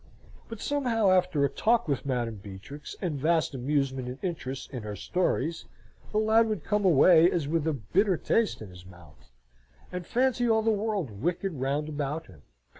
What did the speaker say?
But somehow, after a talk with Madam Beatrix, and vast amusement and interest in her stories, the lad would come away as with a bitter taste in his mouth, and fancy all the world wicked round about him.